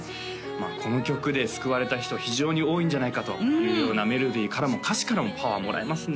この曲で救われた人非常に多いんじゃないかというようなメロディーからも歌詞からもパワーもらえますね